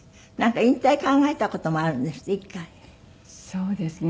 そうですね。